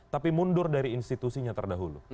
tapi mundur dari institusinya terdahulu